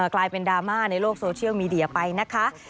กลายเป็นดราม่าในโลกโซเชียลมีเดียไปนะคะ